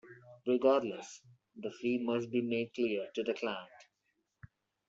Regardless, the fee must be made clear to the client.